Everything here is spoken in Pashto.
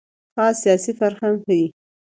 خاص سیاسي فرهنګ ښيي.